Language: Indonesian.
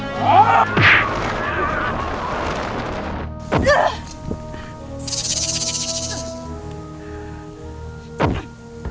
aku akan menghina kau